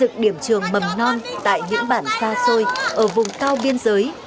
tìm nón tại những bản xa xôi ở vùng cao biên giới